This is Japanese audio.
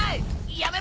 やめろ！